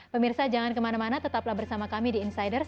pemirsa jangan kemana mana tetaplah bersama kami di insiders